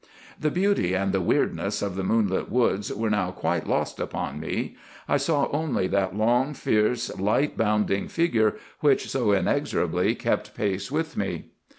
The beauty and the weirdness of the moonlit woods were now quite lost upon me. I saw only that long, fierce, light bounding figure which so inexorably kept pace with me.